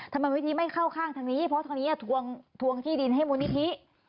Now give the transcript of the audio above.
มูลนิธิไม่เข้าข้างทางนี้เพราะทางนี้ทวงที่ดินให้มูลนิธิ